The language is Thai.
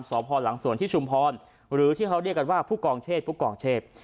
สพหลังสวนที่ชุมพรหรือที่เขาเรียกกันว่าผู้กองเชษผู้กองเชษ